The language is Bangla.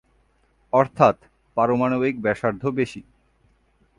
অর্থাৎ, পারমাণবিক ব্যাসার্ধ বেশি।